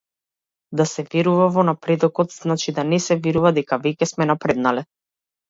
Да се верува во напредокот значи да не се верува дека веќе сме напреднале.